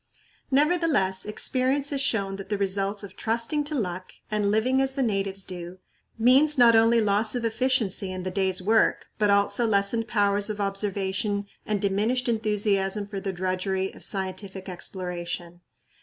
Nevertheless, experience has shown that the results of "trusting to luck" and "living as the natives do" means not only loss of efficiency in the day's work, but also lessened powers of observation and diminished enthusiasm for the drudgery of scientific exploration.